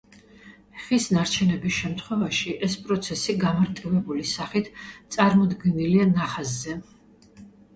ხის ნარჩენების შემთხვევაში, ეს პროცესი გამარტივებული სახით წარმოდგენილია ნახაზზე.